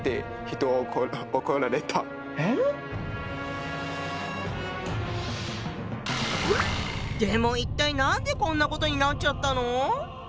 ええっ⁉でも一体何でこんなことになっちゃったの？